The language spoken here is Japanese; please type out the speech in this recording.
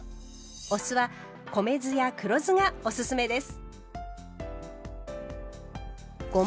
お酢は米酢や黒酢がおすすめです。